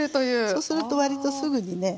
そうするとわりとすぐにね